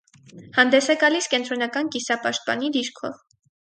Հանդես է գալիս կենտրոնական կիսապաշտպանի դիրքով։